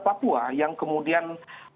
papua yang kemudian